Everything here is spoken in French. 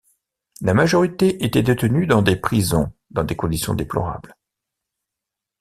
La majorité était détenue dans des prisons dans des conditions déplorables.